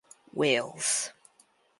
Wales.